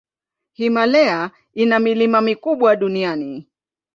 Himalaya ina milima mikubwa duniani.